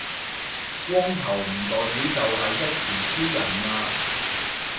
光頭唔代表就係一拳超人呀